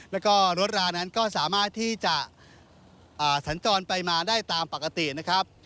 แล้วก็รถรานั้นก็สามารถที่จะสัญจรไปมาได้ตามปกตินะครับ